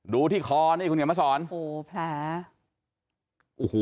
ดูที่คอนี้คุณเกี่ยวมาสอนโฮแผล